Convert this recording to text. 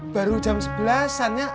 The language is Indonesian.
baru jam sebelasannya